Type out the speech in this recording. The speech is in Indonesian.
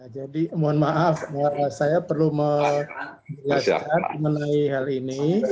jadi mohon maaf saya perlu melihatkan mengenai hal ini